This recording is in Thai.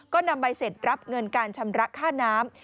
ก็นำใบเสร็จรับเงินการชำระค่าน้ำ